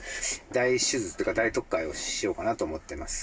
大手術っていうか大取っ換えをしようかなと思ってます。